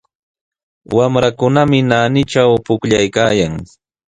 Wamrakunami naanitraw pukllaykaayan.